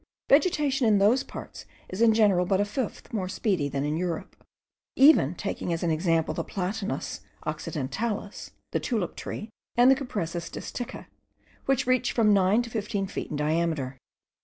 Vegetation in those parts is in general but a fifth more speedy than in Europe, even taking as an example the Platanus occidentalis, the tulip tree, and the Cupressus disticha, which reach from nine to fifteen feet in diameter.